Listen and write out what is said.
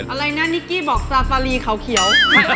อะไรนะนิกกี้บอกซาฟารีเขาเขียว